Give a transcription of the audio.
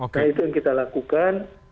nah itu yang kita lakukan